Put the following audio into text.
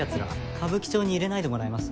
歌舞伎町に入れないでもらえます？